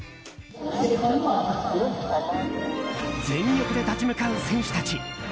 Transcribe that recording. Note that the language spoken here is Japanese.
全力で立ち向かう選手たち。